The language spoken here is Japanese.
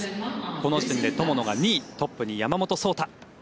この時点で友野が２位トップに山本草太。